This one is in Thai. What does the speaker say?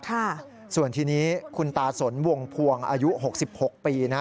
ถ้าส่วนที่นี้คุณตาสนวงพวงอายุ๖๖ปี